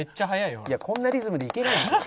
いやこんなリズムでいけないよ。